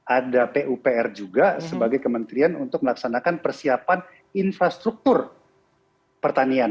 ada pupr juga sebagai kementerian untuk melaksanakan persiapan infrastruktur pertanian